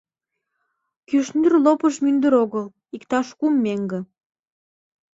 Кӱшнур лопыш мӱндыр огыл: иктаж кум меҥге.